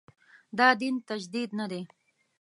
دا دین تجدید نه دی.